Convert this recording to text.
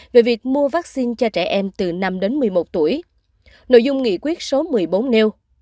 về việc mua vaccine cho trẻ em từ năm đến một mươi một tuổi nội dung nghị quyết số một mươi bốn nêu